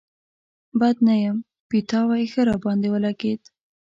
بد نه يم، پيتاوی ښه راباندې ولګېد.